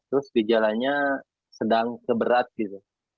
terus dijalannya sedang kemas